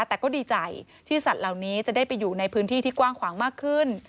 แต่ก็ดีใจที่สัตว์เหล่านี้จะได้ไปอยู่ในพื้นที่ที่กว้างขวางมากขึ้น